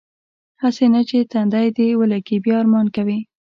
هسې نه چې تندی دې ولږي بیا ارمان کوې.